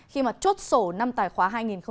khi mà chốt sổ năm tài khoá hai nghìn